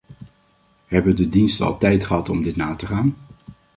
Hebben de diensten al tijd gehad om dit na te gaan?